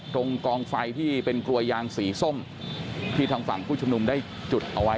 ตรงกองไฟที่เป็นกลัวยางสีส้มที่ทางฝั่งผู้ชุมนุมได้จุดเอาไว้